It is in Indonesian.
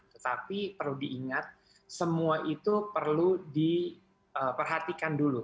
tetapi perlu diingat semua itu perlu diperhatikan dulu